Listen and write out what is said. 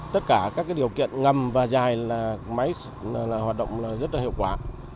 tất cả các điều kiện ngầm và dài là máy hoạt động rất là hiệu quả